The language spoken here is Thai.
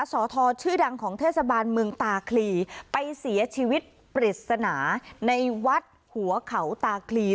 สอทอชื่อดังของเทศบาลเมืองตาคลีไปเสียชีวิตปริศนาในวัดหัวเขาตาคลี